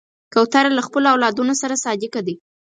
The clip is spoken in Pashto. کوتره له خپلو اولادونو سره صادقه ده.